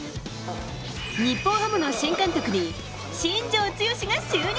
日本ハムの新監督に新庄剛志が就任。